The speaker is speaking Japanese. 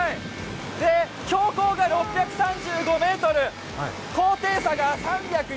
標高が６３５ｍ、高低差が３４６ｍ